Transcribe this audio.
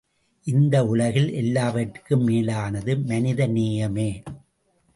இந்த உலகில் எல்லாவற்றுக்கும் மேலானது மனித நேயமே.